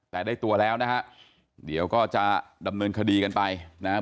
แต่ได้ตัวแล้วนะฮะเดี๋ยวก็จะดำเนินคดีกันไปนะครับ